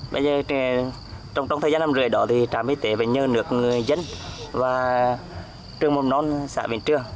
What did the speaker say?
bây giờ trong thời gian năm rưỡi đó thì tràm y tế phải nhờ nước dân và trường môn non xã bình trường